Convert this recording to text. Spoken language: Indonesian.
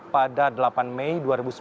pada delapan mei dua ribu sembilan belas